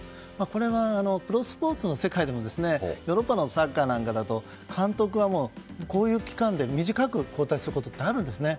これはプロスポーツの世界でもヨーロッパのサッカーなんかだと監督はこういう期間で短く交代することがあるんですね。